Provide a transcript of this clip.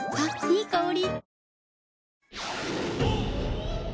いい香り。